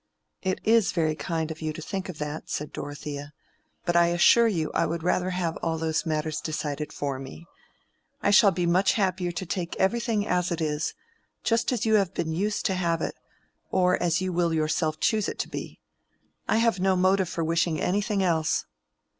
"It is very kind of you to think of that," said Dorothea, "but I assure you I would rather have all those matters decided for me. I shall be much happier to take everything as it is—just as you have been used to have it, or as you will yourself choose it to be. I have no motive for wishing anything else."